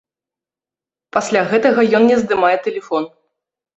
Пасля гэтага ён не здымае тэлефон.